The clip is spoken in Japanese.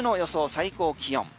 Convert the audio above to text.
最高気温。